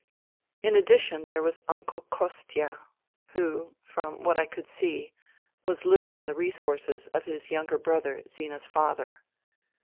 In addition there was Uncle Kostia, who, from what I could see, was living on the resources of his younger brother, Zina's father.